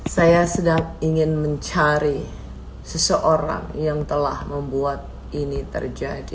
saya sedang ingin mencari seseorang yang telah membuat ini terjadi